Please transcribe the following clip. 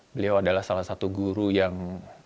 beliau adalah salah satu guru yang